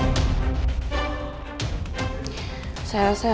keadaan sezinho nanti ibu dan nursery